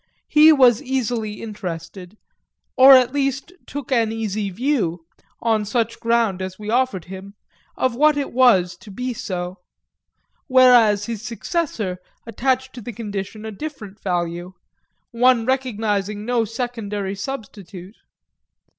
He was easily interested, or at least took an easy view, on such ground as we offered him, of what it was to be so; whereas his successor attached to the condition a different value one recognising no secondary substitute.